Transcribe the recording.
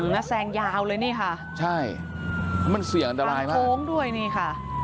แล้วแซงยาวเลยนี่ค่ะใช่มันเสี่ยงอันตรายมากโค้งด้วยนี่ค่ะ